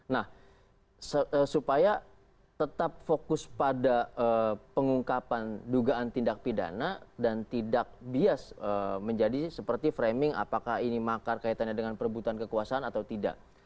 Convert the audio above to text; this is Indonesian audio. nah supaya tetap fokus pada pengungkapan dugaan tindak pidana dan tidak bias menjadi seperti framing apakah ini makar kaitannya dengan perebutan kekuasaan atau tidak